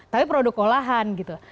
tapi produk olahan gitu